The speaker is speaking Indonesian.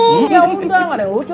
ya undang ada yang lucu